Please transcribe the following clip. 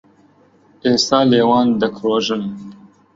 ئێستا لێوان دەکرۆژن